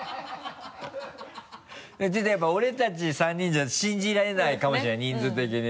ちょっとやっぱり俺たち３人じゃ信じられないかもしれない人数的に。